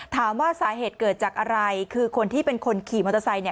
ถามว่าสาเหตุเกิดจากอะไรคือคนที่เป็นคนขี่มอเตอร์ไซค์เนี่ย